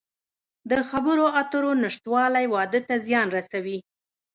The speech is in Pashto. د خبرو اترو نشتوالی واده ته زیان رسوي.